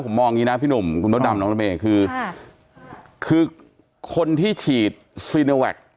ผมมองงี้น่ะพี่หนุ่มคุณบ๊อตดำน้องระเมคือคือคนที่ฉีดซีเนอร์แวค